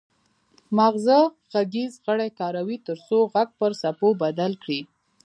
مغزه غږیز غړي کاروي ترڅو غږ پر څپو بدل کړي